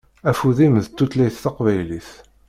Afud-im d tutlayt taqbaylit.